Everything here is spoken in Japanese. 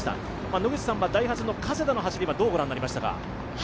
野口さんはダイハツの加世田の走り、どうご覧になりましたか？